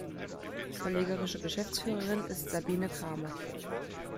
Verlegerische Geschäftsführerin ist Sabine Cramer.